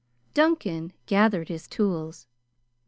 Duncan gathered his tools.